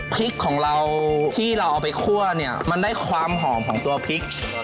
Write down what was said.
พริกของเราที่เราเอาไปคั่วเนี่ยมันได้ความหอมของตัวพริก